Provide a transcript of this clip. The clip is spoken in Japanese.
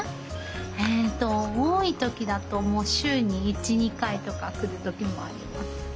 えと多い時だともう週に１２回とか来る時もあります。